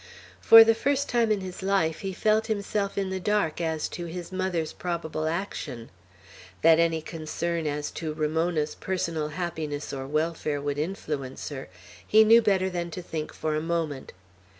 For the first time in his life he felt himself in the dark as to his mother's probable action. That any concern as to Ramona's personal happiness or welfare would influence her, he knew better than to think for a moment.